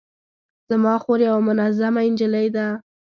زما خور یوه منظمه نجلۍ ده